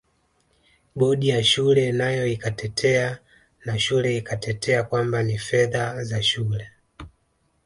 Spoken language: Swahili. Bodi ya shule nayo ikatetea na shule ikatetea kwamba ni fedha za shule